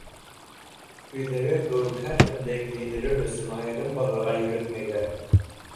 Өйҙәге кеүек һәр кемде кейендерер өсөн айырым баҙарға йөрөтмәйҙәр.